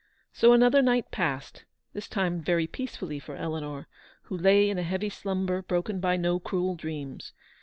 So another night passed, this time very peace fully for Eleanor, who lay in a heavy slumber broken by no cruel dreams.